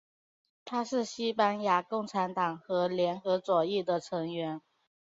他是西班牙共产党和联合左翼的成员。